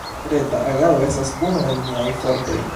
Reta agado estas unu el niaj fortoj.